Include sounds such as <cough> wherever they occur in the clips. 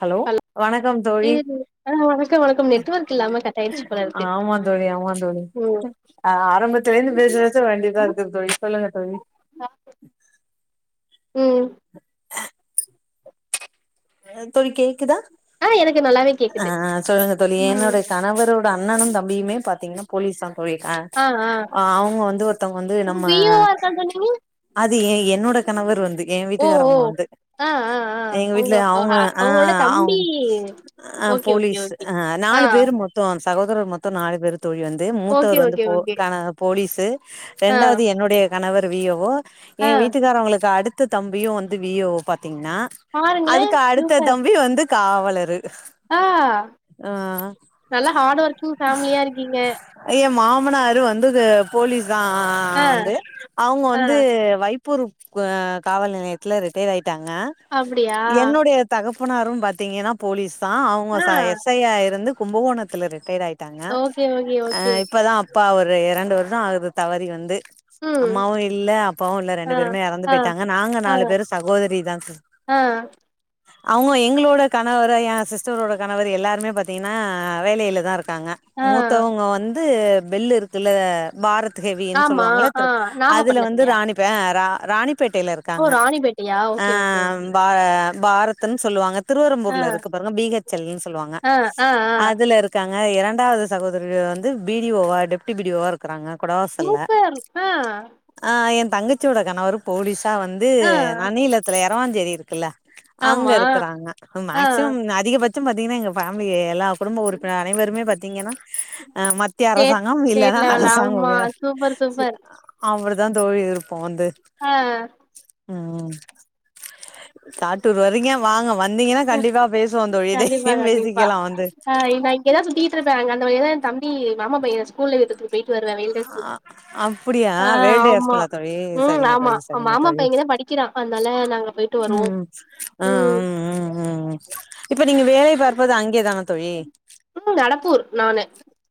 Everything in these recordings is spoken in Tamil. ஹலோ வணக்கம் தோழி இது ஆ வணக்கம் வணக்கம் நெட்வொர்க் இல்லாம கட் ஆயிடுச்சு போல இருக்கு ஆமா தோழி ஆமா தோழி ம் ஆ ஆரம்பத்துலேந்து பேசுறச்ச வேண்டிதா இருக்கு தோழி சொல்லுங்க தோழி ம் அ தோழி கேக்குதா ஆ எனக்கு நல்லாவே அ கேக்குது சொல்லுங்க தோழி ம் என்னோட கணவரோட அண்ணனு தம்பியுமே பாத்தீங்கனா போலீசா போய்க ஆ ஆ அவங்க வந்து ஒருத்தவங்க வந்து அப்ப நம்ம பி ஓ வா இருக்கான்னு சொன்னீங்க எ என்னோட கணவர் வந்து எ ஓ ஓ வீட்டுக்காரவங்க வந்து ஆ ஆ ஆ எங்க வீட் உங்க இல்ல அ அவங்க ஆ அவங்களோட தம்பி அவங் அ ஓகே ஓகே போலீஸ் ஓகே அ ஆ நாலு பேரு மொத்தோ சகோதரர் மொத்தோ நாளு பேரு தோழி வந்து ஓகே மூத்தவர் வந்து ஓகே போ ஓகே கன போலீஸ் ஆ ரெண்டாது என்னுடைய கணவர் வி ஏ ஓ ஆ எ வீட்டுக்காரவங்களுக்கு அடு பத்து தம்பியு வந்து வி ஏ ஓ பா த்தீங்னா பாருங்களே அதுக்கு அடுத்த சூப்பர் தம்பி வந்து காவல் லரு ஆ நல்லா ஹார்ட் ஒர்க்கிங் ஃபேம்லியா இருக்கீங்க மனாரு வந்தது போலீஸ் தா ஆ வந்து அவங்க ஆ வந்து வை ருப் அ காவல் நிலையத்துல ரிட்டைர் ஆய் டாங்க அப்டியா என்னுடைய தகப் பனாரு பாத்தீங்கனா போலீஸ் தா அவங்க ஆ ச எஸ் ஐ ஆ இருந்து கும்பகோணத்துல ரிட்டைர் ஆய் டாங்க ஓகே ஓகே அ ஓகே இப்ப தான் அப்பா ஒரு இரண்டு வருடம் ஆகுது தவறி வந்து ம் அம்மாவும் இல்ல அப்பாவும் இல்ல ஆ ரெண்டு பேருமே இறந்து ஆ போயிட்டாங்க நாங்க ஆ நாலு பேரும் சகோதரி தான் சி ஆ அவங்க எங்களோட கணவர் என் சிஸ்டரோட கணவர் எல்லாருமே பாத்தீங்கன்னா வேலையில தான் இருக் காங்க ஆ மூத்தவங்க வந் து பெல்லு இருக்குல பாரத்து ஹவினு ஆமா சொல்லுவாங்கள த ஆ அதுல வந்து நாகப்பட்னத்துலயா ராணிப்ப ராணி பேட்டேல ஓ இருக்காங்க ராணிபேட்டையா ஓகே ஓகே ஓகே பாரத்ன்னு சொல்லுவாங்க ஆ திருவரம்பூர்ல இருக்க பாருங்க பீ கச் எல் ன்னு சொல்லுவாங்க ஆ ஆ ஆ அதுல இருக்காங்க இரண்டாவது சகோதர வந்து பி டி ய ஓவ டெப்டி பி டி ய ஓவ இருக்கிறாங்க சூப்பர் ஆஹ் ஆ என் தங்கச்சியோட கணவர் போலீஸ் தா வந்து நான் நீளத்துலய பொரவாஞ்சேரி இருக்குல்ல அங்க ஆமா இருக்குறாங்க ஆ மேக்சிமம் அதிகபட்ச பட்ஷம் பாத்தீங்கன்னா எங்க பேமிலி எல்லாரு குடும்ப உறுப்பினர் அனைவருமே பாத்தீங்கன்னா மத்திய ஸ்டேட் அரசாங்கம் ஸ்டேட் இல்லனா லெவல் அரசாங்க ஆமா சூப்பர் சூப்பர் உத் தான் தோழி இருக்கும் போந்து ஆ உம் சாத்தூர் வரிக்கு வாங்க வன் கண்டிப்பா கண்டிப்பா பேசிக்கலா வந்து ஆஹ் நா இங்க தா சுத்திட்டு இருப்பேங்க அங்க ஏன் தம்பி மாமா பையன் ஸ்கூல்ல எடுக்கு போயிட்டு வருவேன் <unintelligible> ஆ அப்டியா ஆஹ் வேல்டு ஆமா எஸ்குலா தோழி உம் சரிங்க ஆமா தோழி ஆமா சரிங்க மாமா தோழி பையன் இங்கத படிக்கிறான் அதனால நாங்க போயிட்டு வருவோம் ம் ஆ உம் ம் ம் ம் இப்ப நீங்க வேலைக் <unintelligible> அங்கே தான் தோழி ம் நடப்பூர் நானு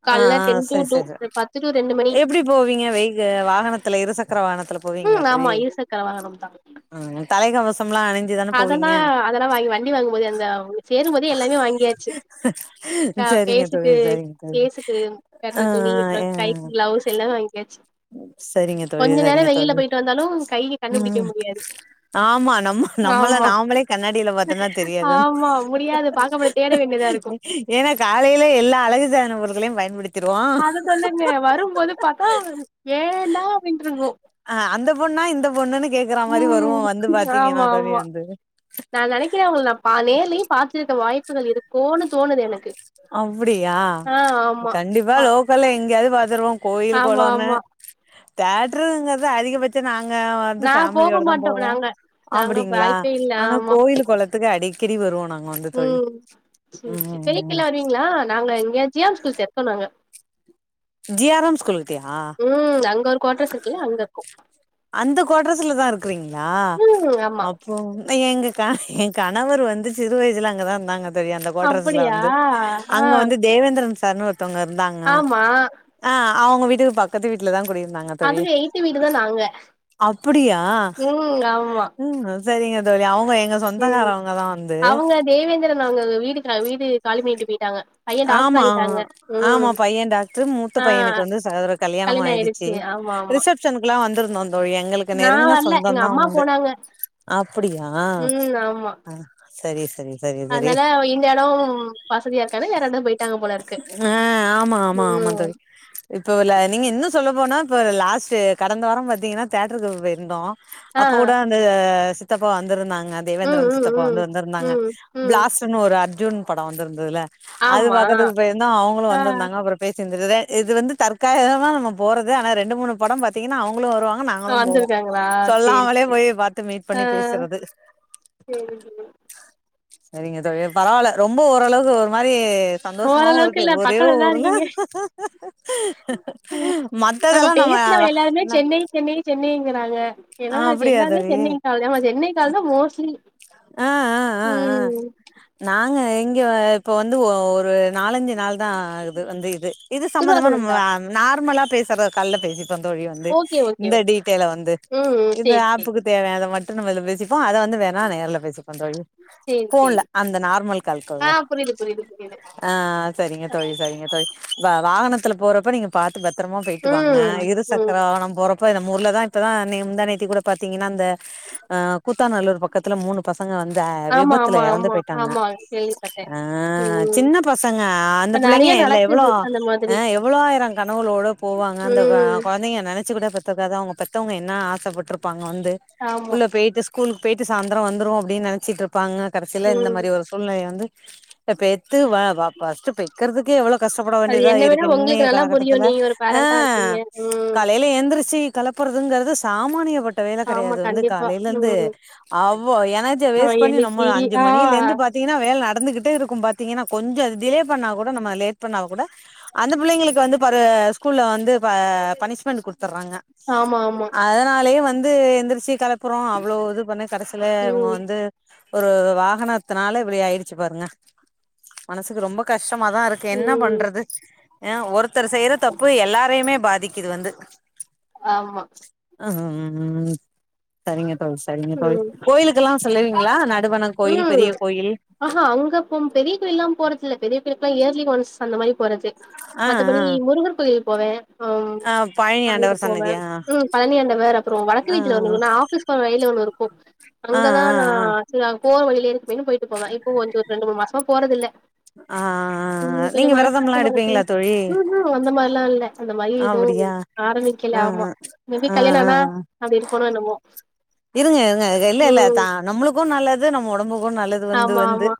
கால்ல ஆஹ்ஹ் டென் டூ சரி டூ சரி சரி பத்து டூ ரெண்டு மணி எப்டி போவீங்க வெய வாகனத்துல இருசக்க <unintelligible> உம் ஆமா இருசக்கர வாகனம் தான் ம் தலைக்கவசம்லா அணிஞ்சுதான போவீங்க அதெல்லாம் அதெல்லாம் வாங்கி வண்டி வாங்கும்போது அந்த சேரும்போதே எல்லாமே வாங்கியாச்சு ஆஹ சரிங்க பேசுட்டு தோழி சரிங்க தோழி கேசுக்கு ஆ கெட்டுற துணி அப்புறம் ஆ கை கிளவுஸ் எல்லாம் வாங்கி சரிங்க தோழி சரிங்க தோழி போயிட்டு வந்தாலு கைய கண்டுபிடிக்க உம் முடியாது அ ஆமா நம்ம நம்மள ஆமா நாமளே கண்ணாடில பாத்தோம்னா தெரியாது ஆமா முடியாது பாக்கப்பட தேட வேண்டியதா இருக்கு ஏன்னா காலையில எல்லா அழகு சாதன பொருட்களையும் பயன்படுத் அது சொல்லுங்க வரும்போது பாத்தா ஏன்டா அப்டின்ட்ருக்கு அ அந்த பொண்ணா இந்த பொண் ணுனு கேக்குற மாறி ம் வருவோம் வந்து பாத்தீங்கன்னா தோழி வந்து நான் நெனைக்கிறேன் உங்கள நான் பா நேர்லயே பாத்துருக்க வாய்ப்புகள் இருக்குனு அப்டியா ஆ ஆமா கண்டிப்பா லோக்கல்ல எங்கேயாது பாத்துருவோம் கோயில் ஆமா கொளம்னு ஆமா தேட்ருங்கிறது அதிகபட்ச ச்சம் நாங்க வந்து நா போக ஃபேமிலியோடதா மாட்டோ போவோ நாங்க நாங்க அப்டிங்களா வாய்ப்பே இல்ல ஆனா ஆமா கோயில் குளத்துக்கு அடிக்கடி வருவோ நாங்க வந்து தோழி ம் ம் ம் <unintelligible> லாம் வருவீங்களா நாங்க இங்க ஜி ஆர் ஸ்கூல்ட்டருக்கோம் நாங்க ஜி ஆர் எம் ஸ்கூல்கிட்டயா உம் அங்க ஒரு குவாட்ரஸ் இருக்குல்ல அங்க இருக்கோ இந்த குவாட்ரஸ்ல தா இருக்கிறீங்க களா ம் ஆமா அப்போ எங்க கண என் கணவர் வந்து சிறு வயசுல அங் தா இருந்தாங்க தோழி அந்த கோட்ரஸ்ல அப்படியா வந்து ஆ அங்க வந்து தேவேந்திரன் சா சார்னு ஒரு த்தவுங்க இருந்தாங்க ஆமா ஆஹ அவுங்க வீட்டுக்கு பக்கத்து வீட்லதா குடியிருந் அதுல எய்த்த வீடுதா நாங்க அப்புடியா ம் உம் சேரிங்க தோழி அவுங் உம் அவுங்க தேவேந்திரன் அவுங்க வீடுக்கு நா வீடு காலி பண்ணிட்டு போயிட் ஆமா உன் ஆமா பைய டாக்ட்ரு மூத்த ஆ பையனுக்கு வந்து சகோதர கல்யாணமு கல்யாண ஆயிடுச்சு ஆமா ஆமா ரிசப்ஷனுக்குலா வந்துரு ந்தோ எங்களுக்கு நா நெருங்குனா வர்ல எங்க சொந்தம் தா அம்மா அவுங்க வந்து போனாங்க அப்புடியா ம் ஆமா அஹ செரி செரி அதனால இந்த எடம் வசதியா இரு <unintelligible> ஆஹ் ஆமா ஆமா ஆமா ம். தோழி இப்ல்ல நீங்க இன்னு சொல்ல போனா இப்ப லாஸ்ட்டு கடந்த வாரம் பாத்தீங்கன்னா தேட்டருக்கு போயிருந்தோ ஆ. அப்போ கூட அந்த தப்ப வந்திருந்தாங் அ ம், தேவேந்திரன் ம், சித்தப்பா ம், வந்து வந்திருந்தாங்க ம், ம். பிளாஸ்ட்டுனு ஒரு அர்ஜுன் படம் வந்திருந்துதுல்ல ஆமா கத்துக்கு போயிருந்தோ அவுங்களு ஆ வந்திருந்தாங்க அப்புற பேசிட்ருந்து தே இது வந்து தற் <unintelligible> நம்ம போறது ஆனா ரெண்டு மூணு படம் பாத்தீங்கன்னா அவங்களு வருவாங் மா நாங்களும் போவோ வந்திருக்காங்களா? சரி, சொல்லாமலே சரி. போய் பாத்து மீட் ஆ பண்ணி பேசுறது சரி, சரி. சரிங்க தோழி பரவால்ல ரொம்ப ஓரளவுகு ஒரு மாரி ஓரளவுக்கு சந்தோஷமாவுருக்கு இல்ல ஒரே பக்கத்துல தான் ஊர்ல இருக்கீங்க. ம். நாங்க மத்ததெல்லா நம்ம அத ந கிறாங்க ஆ என்னதா வச்சி அப்டியா எல்லாமே தோழி சென்னை கால் தாமா சென்னை கால் தா மோஸ்ட்லி ஆ உம் அ இங்க வ இப்ப வந்து ஒ ஒரு நாலஞ்சு நாள் தா ஆகுது வந்து இது இது சம்பந்தமா திருவாரூர் நம்ம வ தான். நார்மலா பேசற கால்ல பேசிட் ந்தோழி வந்து ஓகே, ஓகே, இந்த ஓகே. டீட்டெய்ல வந்து ம், ம். இந்த சரி, சரி. ஆப்புக்கு தேவையானத மட் டுநம்ம இதுல பேசிப்போ அத வந்து வேணா நேர்ல பேசிப்பொந்தோழி சரி, போன்ல சரி. அந்த நார்மல் கால்கு ஆ வருவோ புரியுது, புரியுது, புரியுது. ஆஹ் சரிங்க தோழி சரிங்க தோழி வ வாகனத்துல போறப்ப நீங்க பாத் பத்ரமா பொயிட்டு வாங்க ம், இரு ம். சக்கரோ நம் போறப் இப்ப நம்மூர்ல தா இப்பதா நீ முந்தா நேத்தி கூட பாத்திங்கனா அந்த அஹ் கூத்தாநல்லூர் பக்கத்துல மூனு பொண்ணுங்க வந்த ஆமா, விபத்துல ஆமா, எறந்து ஆமா, பொயிட்டாங்க ஆமா. கேள்விப்பட்டேன். ஆஹ் ம். சின்ன பசங்க அந்த இப்ப புள்ளைங்க நெறைய இல்ல எவ்ளோ நடக்குது அந்த அ மாதிரி. எவ்ளோ ஆயிரொ கனவுளோட போவாங்க அந்த க ம். கொழந்தைங்க நெனச் ச்சிகூடபெத்ததாது அவுங்க பெத்தவங்க என்னா ஆசபட்டுருப்பாங் வந்து ஆமா புள்ள பெயிட்டு ஸ்கூல்க் பெய்ட்டு சாந்தரொ வந்ருவோ அப்டின் நெனச்சிட்ருப் ப்பாங்க கடைசியில இந்த ம் மாரி ஒரு சூழ்நிலை வந்து பெ பெத்து வ வ ஃபஸ்ட்டு பெக்கறதுக்கே எவ்ளோ கஷ்டப்பட அது வேண்டியதா என்ன விட இருக்கு உங்களுக்கு இன்னெய நல்லா புரியு காலகட்டத்துல நீங்க ஒரு பேரண்டா ஆஹ் இருக்கீங்க ம் காலைல எந்திரிச்சு கலப்புறதுங்றது சாமானிய பட் ட வேல ஆமா கிடையாது வந்து கண்டிப்பா காலைலந்து ம் அவ எனர் அவ வேஸ்ட் பண்ணி நம்மள எழுப்பி அஞ்சு ஆ மணியிலேந்து பாத்திங்கனா வேல நடந்துகிட்டே இருக்கு பத்திங்கனா கொஞ்சொ அது டிலே பண்ணா கூட நம லேட் பண்ணா கூட அந்த பிள்ளைங்களுக்கு வந்து பரு ஸ்கூல்ல வந்து ப பனிஸ்மன்டு குடு த்துறாங்க ஆமா ஆமா அதனாலயே வந் ந்து எந்திரிச்சி கெளப் புறோ அவ்ளோ இது பண்ணி கடைசிலே இவங்க ம் வந் ஒரு வாகனத்துனால இப்டி ஆயிருச்சி பாருங்க மனசுக்கு ரொம்ப க கஷ்டமாதாருக்கு என்ன ம் பண்றது ஏ ஒருத் த்தர் செய்ற தப்பு எல்லாரையுமே பாதிக்குது வந்து ஆமா அஹ்ம் ம் சரிங்க ம் சரிங்க தோழி ம் கோயிலுக்குல்லா போவீங்ளா நா ம் ஆஹா அங்கப்போ பெரிய கோயில்லா போறதுல்ல பெரிய கோயிலுக்குல்லா ஏ யர்லி ஒன்ஸ் அந்த மாரி போறது ஆ மத்தபடி ஆ முருகன் கோயில் போவே அ ஆ பழனி அங்க ஆண்டவர் போவே சன்னதியா ம் பழனியாண்டவர் அப்புறம் வடக்கு ஆ வீட்ல <unintelligible> ஆஃபீஸ் போற வழியில ஒண்ணு இருக்கு ஆ ஆ அங்கதா ஆ நா ஆக்சுல போற வழிலயே பேய்னு போயிட்டு போவே இப்போ ஒரு ரெண்டு மூணு மாசமா போறதில்ல ஆ ம் ஆ கொஞ்சோ நீங்க மனசு வெரதம்ல்லா கஷ்டமா இருக்கு எடுப்பீங்களா தோழி. ம்ஹும் அந்த மாரிலா இல்ல அந்த மாரி எதுவு அப்டியா ஆரம்பிக்கல. ஆ ஆமா மேபி ஆ ஆ கல்யாணம் ஆனா அது இருப்பேனோ என்னமோ இருங்கே இருங்கே எ இல்ல இல்ல ம் த நம்முளுக்கோ நல்லது ந மோ ஒடம்பு ஒ நல்லது வந்து ஆமா வந்து ஆமா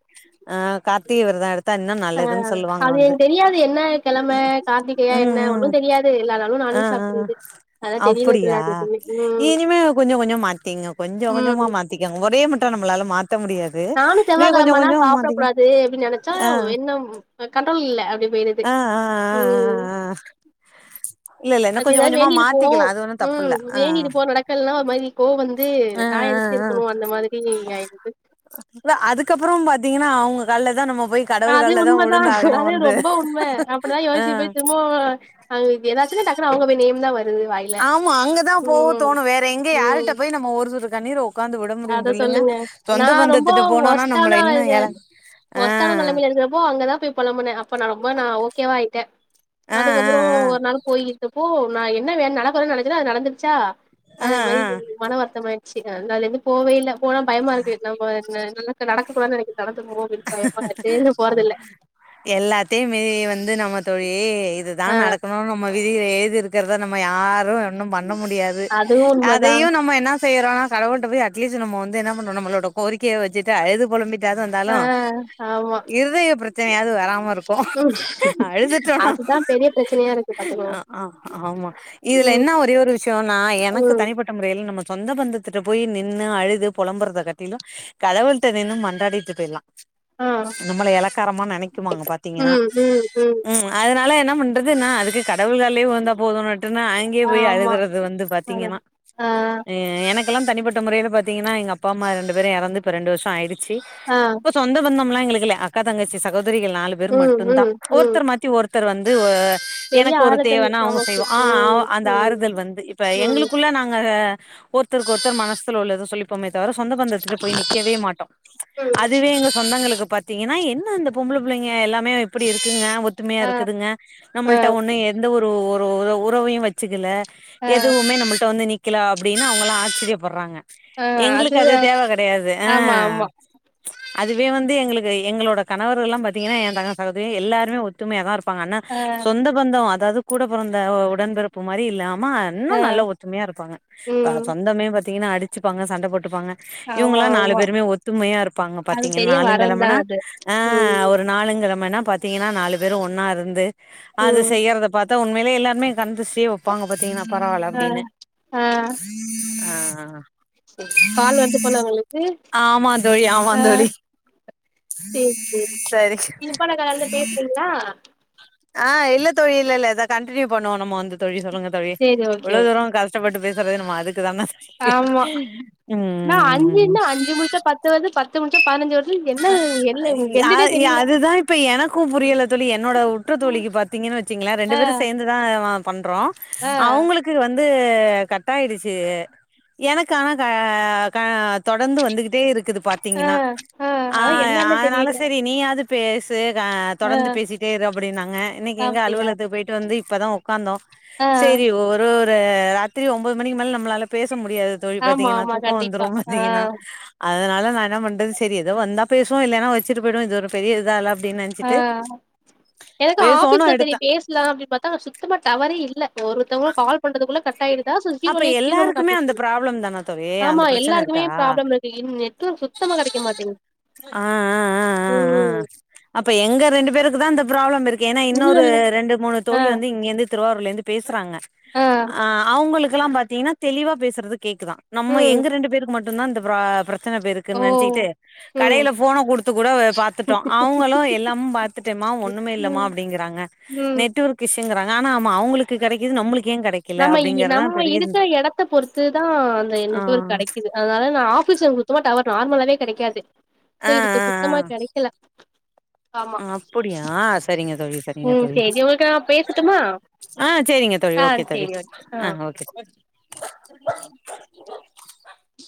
ஆ கார்த்திக விரதோ எடுத்தா இன்னு ஆ நல்லதுன்னு சொல்லுவாங்க அது வந்து எனக் தெரியாது என்னா கிழமே கார்த்திகையா ம் என்னா ம் ஒண்ணு தெரியாது எல்லா நாளு ஆ நான்வெஜ் ஆ சாப்பிட்டுருது அதலா தெரியவே அப்டியா தெரியாது எப்பமே ம் திங்கே கொஞ்சோ கொஞ்சோமா ம் மாத்திக்கோங்க ஒரே மட் ட நம்மளாலே மாத் நானு செவ்வா கெழமானா சாப்ட மாத்திக்க கூடாது அப்டின் ஆ நெனச்சாவு எண்ணம் ஆ கண்ட்ரோல் இல்லா அப்டே போயிரது ஆ ஆ ஆ ம் ஆ ஆ இல்ல இல்ல இன்னு அப்டி கொஞ்ச எதா கொஞ்சமா வேண்டியிருபோ மாத்திக்கலா அது ஒன்னு தப்பு ம் இல்ல ஆ வேண்டியிருபோ நடக்கல்னா ஒரு மாரி கோ வந்து ஆ நா ஆ எதுக் ஆ இருக்கணு அந்த மாதிரி இப்டி அயிட்டுக்கு உங்க கால்லதா நம்மோ அது உண்மதா அது ரொம்போ உண்மே அப்பிடிதா ஆ யோசிப் போயி திரும்பவோ அங்க இ எதாச்சுனா டாக்னு அவுங்க போயி நேம் இந்தா ஆமா அங்கதா போக தோணோ வேற எங்கே ம் யாருகிட்ட போயி நம்மோ <unintelligible> அத சொல்லுங்க நா சொந்த ரொம்போ பந்தத்திட்ட போனோனா ஒஸ்டான நம்மள ஆளா இன்னு இருந்தே எழ ஆ ஒஸ்டான நெலமைல இருக்கிறப்போ அங்கதா போயி பொழம்புனே அப்ப நா ரொம்ப நா ஓகேவா ஆயிட்டே ஆ ஆ அதுக்கப்பறோ ஒரு நாள் போயிர்த்தப்போ நா என்னா வே நடக்குர நடக்குதோ அது நடந்துச்சா ஆ அது ஆ மாரி ஆ மன வருத்தம் அயி அ அந்தாள் எப்டி போவே இல்ல போனா பயமா இருக்கு நம்ம என்ன என்னல்லா க நடக்க கூடாது நெனைக்கு அது எல்லாத்தயுமே வந்து நம்ம தொழி வே இதுதா ஆ நடக்கணுனு நம்ம விதில ஏழ்தி இருக்கறதா நம்ம யாரு ஒன்னு பண்ண முடியாது அதுவு உண்மதா அதையு நம்ம என்ன செய்யறோனா கடவுள்ட்ட போய் அட்லீஸ் நம்மொ வந்து என்ன பண்றோம் நம்மளோட கோரிக்கைய வச்சுட்டு அழுது பொழம்பிட் ட்டாவது வந்தாலு ஆ ஆமா இருதய பிரச்சனையாவது வெராம இருக்கு அழுதுட்டேனா அதுதா பெரிய பிரச்சனையா இருக்கு பாத்துக்கோ அ அ ஆமா இதுல ம் என்ன ஒரே ஒரு விஷயோனா எனக்கு ம் தனிப்பட்ட முறைல நம்ம சொந்த பந்தத்துட்ட போய் நின்னு அழுது புலம்புறத காட்டிலும் கடவுளிட்ட நின்னு மண்றாடிட்டு போயிடலா ஆ நம்மல இலக்காரமா நினைக்குவாங்க பாத்தீங்கன்னா ம் ம் ம் உம் ம்ச் அதனால என்ன பண்றது நா அதுக்கு க கடவுள்கலயே வந்தா போதும்னுட்டுனா அங்கயே போய் ஆமா அழுதுறது வந்து அதா பாத்தீங்கன்னா ஆ எனக்கு இப்பலா தனிப்பட்ட முறையில பாத்தீங்கனா எங்க அப்பா அம்மா ரெண்டு பேரு இறந்து ரெண்டு வருஷம் ஆயிடுச் ஆஹ் சொந்தம்ல எங்களுக்கு இல்ல அக்கா தங்கச்சி சகோ திரிகள் நாலு பேர் ம் மட்டும் ம் தான் ம் ஒருத்தர் மாத்தி ஒருத் ஒருத்தர் வந்து ஆ பெரிய எனக்கு ஒரு ஆறுதல் தேவைனா அவங்க நமக்கு செய்வாங்க ஆஹ் ம் அந்த ம் ஆறுதல் வந்து இப்ப ம் எங்களுக்குள்ள நாங்க ஒருத்தருக்கு ஒருத்தர் மனசுல உள்ளத சொல்லிப்போமே தவற சொந்த பந்ததுத்த போய் நிக்கவே மாட்டோம் ம்ச் ம் அது இதுவே எங்க சொந்தங்களுக்கு பாத்தீங்கன்னா என்ன அந்த பொம்பள புள்ளைங்க எல்லாமே அப்படி இருக்குங்க ஒத்துமையா ஆ இருக்குதுங்க ஆ நம்மள்ட்ட ஒண்ணு எந்த ஒரு ஒ ஒரு உறவையு வச்சுக்கல ஆ எதுவுமே நம்மல்ட்ட வந்து நி க்கிலா அப்டீனு அவுங்களா ஆச்சிரியப்பட்றாங்க எங்களுக்கு அது தேவ கெடயாது ஆமா ஆமா அ அதுவே வந்து எங்களுக்கு எங்களோட கணவர் எல்லா பாத்தீங்கன்னா ஏ தங்க அதாவ்து எல்லாருமே ஒத்துமையா தா இருப்பாங்க ஆனா சொந்த பந்தோ அ அதாது கூட பொறந்த ஏ உடன்பிறப்பு மாரி இல்லா ஆ மா இன்னு ஆ நல்ல ஒற்றுமையா இருப்பாங்க ப ம் சொந்தமே வ பாத்திங்கன்ன அடிச்சுப்பாங்க சண்ட போட்டு இருப்பாங்க ஆமா இவுங்கல்லா நாலு ஆமா பேருமே ஒத்துமையா இரு ப்பாங்க அது பாத்தீங்கன்னா பெரிய வரந்தா நாளுங்கெழமனா அது ஆ ம் ஒரு நாளுங்கெழ கெழமன்னா பாத்தீங்கன்னா நாலு பேரு ஒன்னா இருந்து அது ம் செய்யறத பாத் து உண்மையிலயே எல்லாருமே கண் திருஷ்டி வெப்பாங்க பாத்தீங்கன்னா பரவால ஆ அப்டின்னு ஆ ஆஹ் ஆஹ் கால் வருது போல உங்களுக்கு ஆமா தோழி ஆ ஆமா தோழி சேரி சேரி சரி இப்ப <unintelligible> பேசுறீங்ளா ஆஹ் இல்ல தோழி இல்ல இல்ல இத கண்டினியூ பண்ணுவோ நம்ம வந்து தோழி சொல்லுங்க தோழி சேரி ஓகே இவ்ளோ ஓகே தூரம் கஷ்டப்பட்டு பேசுறது நம்ம அதுக்கு க்குதான ஆமா நா உம் அஞ்சுன்னா அஞ்சு முடிச்சா பத்து வருது பத்து முடிச்சா பதினஞ்சு வரு ஆ இ ஆ அதுதா இப்ப எனக்கு புரியல தோழி என்னோட உற்றத்தோழிக்கு பாத்தீங்கன்னு வெச்சீங்கனா ரெண்டு ஆ பேரும் சேந்துதா பண்றோ ஆ அவங்களுக்கு வந்து வந்து கட்டாஆயிடுச்சு எனக்கு ஆனா க கா தொடர்ந்து வந்துகிட்டே இருக்குது ஆ பாத்தீங்கன்னா ஆ அதா என்னன்னு தெரியல அது பேஸ் ஆ தொடர்ந்து பேசிட்டே இரு அப்பிடினாங்க இன்னிக்கு எங்க அப்டியா அலுவலகத்துகு போயிட்டு வந்து இப்பதா உக்காந்தோ ஆ சேரி ஒரு ராத்திரி ஒன்பது மணிக்கு மேல நம்மளால பேச பேச முடியாத தோழி ஆமா பாத்தீங்கன்னா ஆமா தூக்கம் கண்டிப்பா வந்துரும் ஆ பாதீங்கன்னா அதனால நா என்ன பன்னுறது செரி இத வந்தா பேசுவோ இல்லன்னா வெச்சுட்டு போயிடுவோ இது ஒரு பெரிய இத ஆஹ் எனக்கு பேசுவோன்னு ஆபீஸ்ல தெரிய எடுத்தே பேசலா அப்டின்னு பாத்தா சுத்தமா டவரே இல் ஒருத்தவங்க கால் பண்றதுக்குள்ள அப்ப எல்லாருக்குமே அந்த <unintelligible> ப்ராப்ளம் தானா தோழி ஆமா அந்த பிரச்சன எல்லாருக்குமே இருக்கா பிராப்ளம் இருக்கு நெட்வொர்க் சுத்தமா கிடைக்கமாட்டிங்குது ஆ ஆ ஆ ஆ ஆ ஹ்ம்ம் அப்ப எங்க ரெண்டு பேருக்கு தா அந்த ப்ராப்ளம் இருக்கு ஏன்னா இன்னொரு இல்லல்ல ரெண்டு மூணு ஆ தோழி வந்து இங்கிருந்து திருவாரூர்ல இருந்து பேசுறாங்க ஆ அஹ் அவங்களுக்கு ங்குளா பாத்தீங்கன்னா தெளிவா பேசுறது கேக்குதா நம்ம ம் எங்க ரெண்டு பேருக்கு மட் டுதா இந்த ப்ரா ப்ர எத்தன பேருக்கு ஓ நெனச்சகக்கிட்டு ம் கடையில ஃபோன கொடுத்து கூட ஒ பாத்துட்டோ அவுங்களு எல்லாமு பாத்துட்டு மா ஒண்ணுமே இல்ல மா ம் அப்டிங்குறாங்க ம் நெட்ஒர்க் இசூங்குராங் ஆனா ஆமா அவங்களுக்கு கீடைக்குது நம்மளுக் ஏ கெடைக்கல அப்டிங்கறதா ம பெரிய இருக்குற எடத்த பொறுத்து தா அந்த ஆ நெட்வர்க் கெடைக்குது அதனால நா ஆஃபிஸ்ல சுத்தமாவே டவர் நார்மலாவே கெடைக்காது சோ ஆ ஆ இதுக்கு சுத்தமா கெடைக்கல ஆமா ம் சேரி உங்களுக்கு நா பேசட்டுமா ஆஹ் செரிங்க தோழி ஆ ஓகே தோழி சேரி ஓகே ஆ ஆஹ் ஓகே <inaudible>